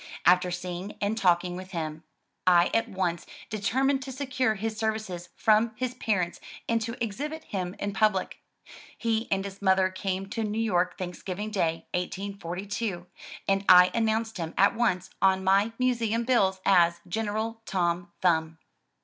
After seeing and talking with him, I at once deter mined to secure his services from his parents and to exhibit him in public. He and his mother came to New York Thanksgiving Day, 1842, and I announced him at once on my Museum bills as "General Tom Thumb.